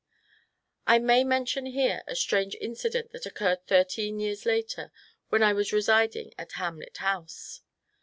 I may mention here a strange incident that occurred thir teen years later, when I was residing at Hamlet House.